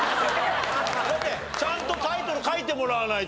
だってちゃんとタイトル書いてもらわないと。